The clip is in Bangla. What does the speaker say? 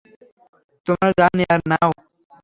তোমার যা নেয়ার নাও।